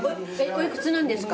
お幾つなんですか？